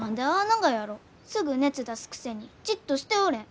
すぐ熱出すくせにじっとしておれん。